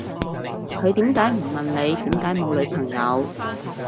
佢點解唔問你點解冇女朋友